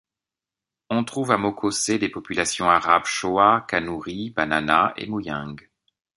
On trouve à Mokossé des populations arabes Choa, Kanouri, Banana et Mouyeng.